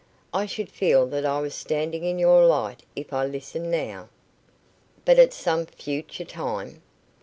I should feel that I was standing in your light if I listened now." "But at some future time?"